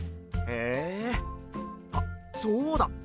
へえあっそうだ！